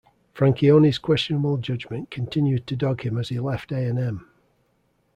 Franchione's questionable judgement continued to dog him as he left A and M.